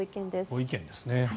ご意見ですね。